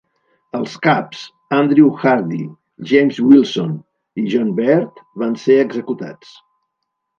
Els caps, Andrew Hardie, James Wilson i John Baird, va ser executats.